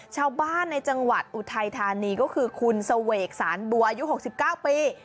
ชาวบ้านในจังหวัดอุทัยธานีก็คือคุณเสวกสารบัวอายุ๖๙ปี